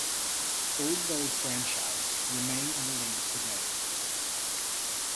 All those franchised remain in the league today.